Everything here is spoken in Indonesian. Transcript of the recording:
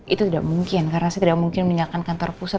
itu tidak mungkin karena saya tidak mungkin mengingatkan kantor pusat